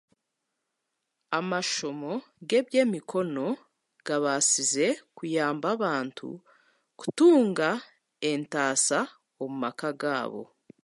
Amashomo g''eby'emikono g'abasize kuyamba abantu kutunga entasya omu maka gabo.